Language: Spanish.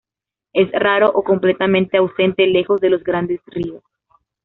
Es raro o completamente ausente lejos de los grandes ríos.